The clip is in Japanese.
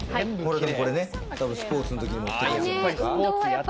これ、スポーツのときに持っていくやつじゃないですか？